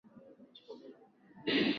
Dadangu amefika nyumbani na kulala.